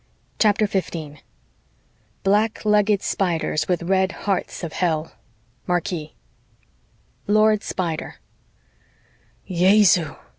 CHAPTER 15 black legged spiders with red hearts of hell marquis LORD SPIDER "Jesu!"